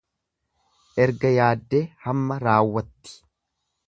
Erga yaaddee hamma raawwatti.